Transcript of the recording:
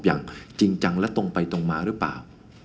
อย่างจริงจังและตรงไปตรงมาหรือเปล่า